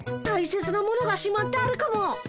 大切な物がしまってあるかも。